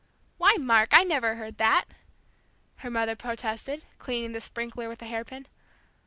"Why, Mark, I never heard that!" her mother protested, cleaning the sprinkler with a hairpin.